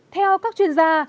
theo các chuyên gia